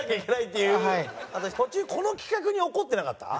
あと途中この企画に怒ってなかった？